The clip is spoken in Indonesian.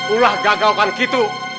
ulah gagal kan gitu